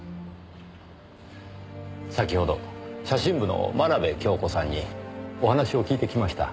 先ほど写真部の真鍋恭子さんにお話を聞いてきました。